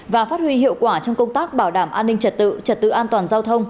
và phát huy hiệu quả trong công tác bảo đảm an ninh trật tự trật tự an toàn giao thông